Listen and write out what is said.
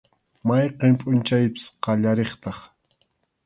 Mayqin pʼunchawpas qallariqtaq.